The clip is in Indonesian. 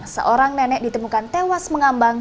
seorang nenek ditemukan tewas mengambang